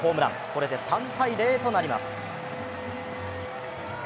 これで３ー０となります。